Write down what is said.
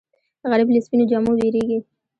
غریب له سپینو جامو وېرېږي